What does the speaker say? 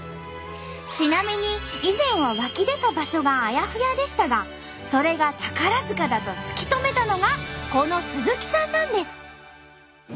ちなみに以前は湧き出た場所があやふやでしたがそれが宝塚だと突き止めたのがこの鈴木さんなんです。